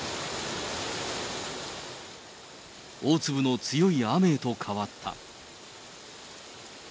大粒の強い雨へと変わった。